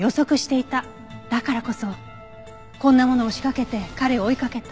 だからこそこんなものを仕掛けて彼を追いかけた。